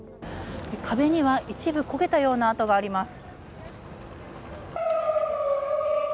壁には一部、焦げたような痕があります。